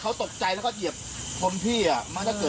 เห็นแล้วกลัวอยู่แล้วเดี๋ยวหักรถหลบไง